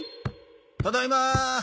ただいま。